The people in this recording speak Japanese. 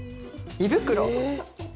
「胃袋」。